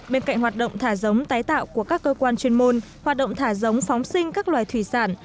bên cạnh hoạt động thả giống tái tạo của các cơ quan chuyên môn hoạt động thả giống phóng sinh các loài thủy sản